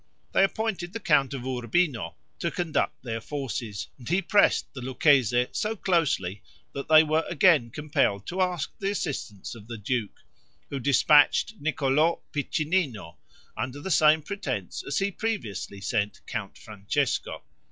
They appointed the count of Urbino to conduct their forces, and he pressed the Lucchese so closely, that they were again compelled to ask the assistance of the duke, who dispatched Niccolo Piccinino, under the same pretense as he previously sent Count Francesco.